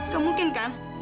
gak mungkin kan